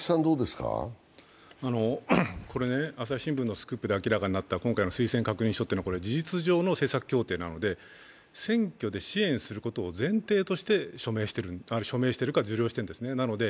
これ、「朝日新聞」のスクープで明らかになった今回の推薦確認書というのは事実上の政策協定なので選挙で支援することを前提として署名しているか、受領しているんですね。